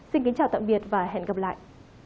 xin kính chào tạm biệt và hẹn gặp lại